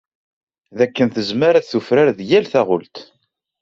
Dakken tezmer ad d-tufrar deg yal taɣult.